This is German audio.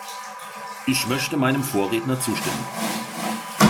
Ich möchte meinem Vorredner zustimmen.